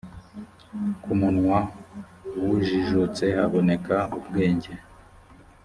ku munwa w’ujijutse haboneka ubwenge.